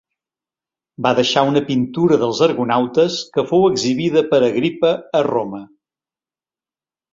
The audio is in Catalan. Va deixar una pintura dels argonautes que fou exhibida per Agripa a Roma.